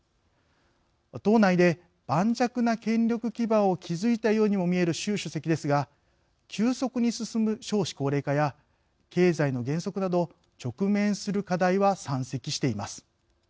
党内で、盤石な権力基盤を築いたようにも見える習主席ですが急速に進む少子高齢化や経済の減速など直面する課題は山積しています。